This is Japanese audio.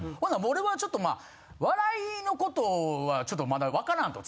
「俺はちょっと笑いのことはちょっとまだ分からん」と。